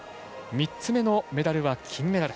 ３つ目のメダルは金メダル。